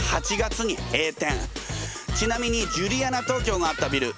ちなみにジュリアナ東京があったビル